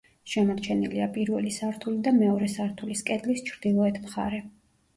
შემორჩენილია პირველი სართული და მეორე სართულის კედლის ჩრდილოეთ მხარე.